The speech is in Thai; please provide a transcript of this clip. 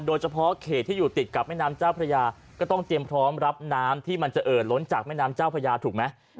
โดยเฉพาะเขตที่อยู่ติดกับแม่น้ำเจ้าพระยาก็ต้องเตรียมพร้อมรับน้ำที่มันจะเอ่อล้นจากแม่น้ำเจ้าพระยาถูกไหม